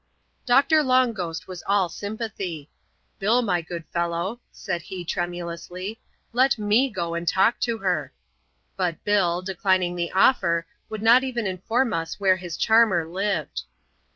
Doctor Long Ghost was all sympathy. " Bill, my good fel low," said he, tremulously, " let me go and talk to her." But Bill, declining the offer, would not even inform us where his charmer lived.